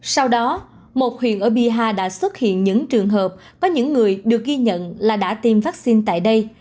sau đó một huyện ở bihar đã xuất hiện những trường hợp có những người được ghi nhận là đã tiêm vaccine tại đây